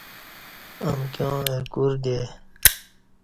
امکیوں اہ کوردے